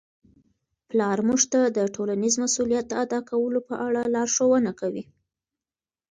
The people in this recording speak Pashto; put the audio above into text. پلار موږ ته د ټولنیز مسؤلیت د ادا کولو په اړه لارښوونه کوي.